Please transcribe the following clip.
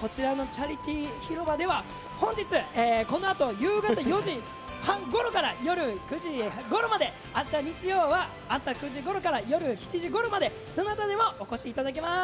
こちらのチャリティー広場では、本日、このあと夕方４時半ごろから夜９時ごろまであした日曜は朝９時ごろから夜７時ごろまで、どなたでもお越しいただけます。